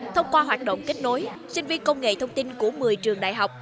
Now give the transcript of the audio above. thông qua hoạt động kết nối sinh viên công nghệ thông tin của một mươi trường đại học